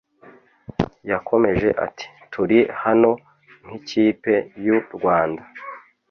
Yakomeje ati “Turi hano nk’ikipe y’u Rwanda